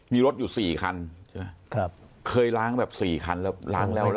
มีรถอยู่สี่คันใช่ไหมครับเคยล้างแบบสี่คันแล้วล้างแล้วล้าง